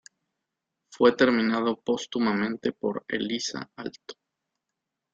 Fue terminado póstumamente por Elissa Aalto.